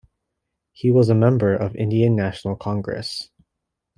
He was a member of Indian National Congress.